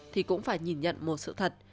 thì cũng phải nhìn nhận một sự thật